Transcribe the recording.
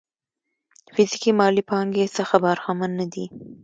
فزيکي مالي پانګې څخه برخمن نه دي.